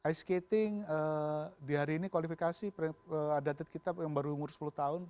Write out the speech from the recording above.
ice skating di hari ini kualifikasi ada di kita baru umur sepuluh tahun